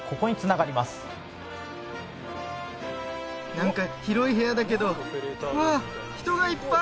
なんか広い部屋だけどうわっ人がいっぱい！